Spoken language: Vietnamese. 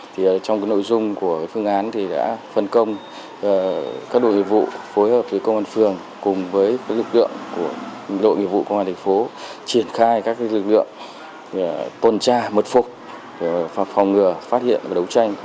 trong nội dung của phương án đã phân công các đội nghiệp vụ phối hợp với công an phường cùng với lực lượng của đội nghiệp vụ công an thành phố triển khai các lực lượng tuần tra mật phục phòng ngừa phát hiện và đấu tranh